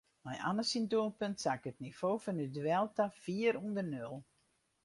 Nei Anne syn doelpunt sakke it nivo fan it duel ta fier ûnder nul.